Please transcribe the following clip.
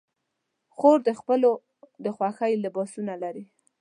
خور د خپلو د خوښې لباسونه لري.